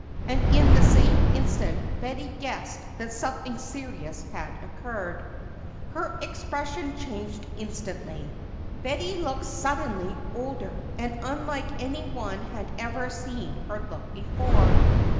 And in the same instant Betty guessed that something serious had occurred. Her expression changed instantly. Betty looked suddenly older and unlike any one had ever seen her look before.